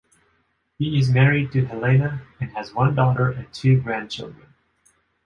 He is married to Helena and has one daughter and two grandchildren.